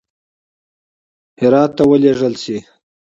هرات ته ولېږل سي.